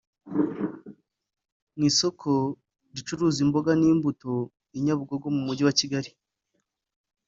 Mu isoko ricuruza imboga n’imbuto i Nyabugogo mu mujyi wa Kigali